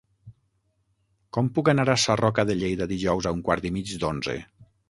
Com puc anar a Sarroca de Lleida dijous a un quart i mig d'onze?